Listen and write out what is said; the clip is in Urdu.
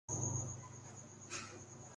وہ بڑی احتیاط سے کھیلنا ہوگا چین کے